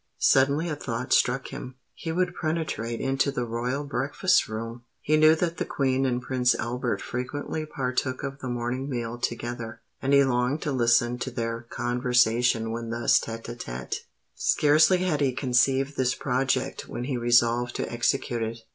Suddenly a thought struck him: he would penetrate into the royal breakfast room! He knew that the Queen and Prince Albert frequently partook of the morning meal together; and he longed to listen to their conversation when thus tête a tête. Scarcely had he conceived this project when he resolved to execute it.